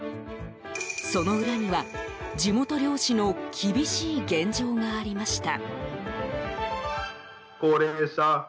その裏には地元漁師の厳しい現状がありました。